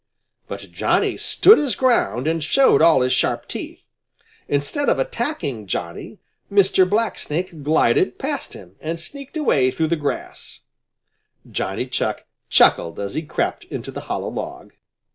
But Johnny stood his ground and showed all his sharp teeth. Instead of attacking Johnny, Mr. Blacksnake glided past him and sneaked away through the grass. Johnny Chuck chuckled as he crept into the hollow log.